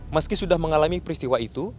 meski sudah mengalami peristiwa itu